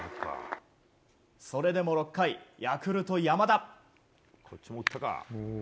それでも６回、ヤクルト山田。